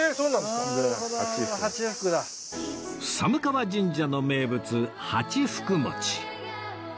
寒川神社の名物八福餅